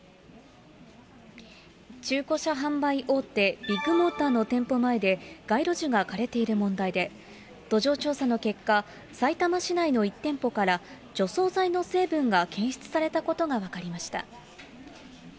中古車販売大手、ビッグモーターの店舗前で、街路樹が枯れている問題で、土壌調査の結果、さいたま市内の１店舗から除草剤の成分が検出されたことが分かりました。